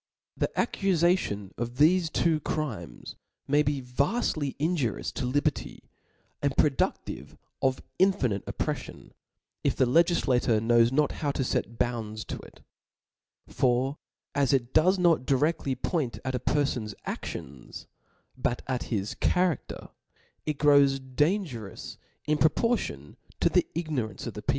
The accufation of thefe two crimes may be vaftly injurioMS to liber ty, and productive of infinite oppreffion, if the legiflator knows not how to fet bounds to it. For as it does not diredlly point at a per fan*s anions, but at his charafter, it grows dan gerous in proportion to the ignorance of the peo 8 plc} 1 OP L A W fe.